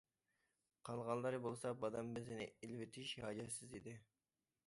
قالغانلىرى بولسا، بادام بېزىنى ئېلىۋېتىش ھاجەتسىز ئىدى.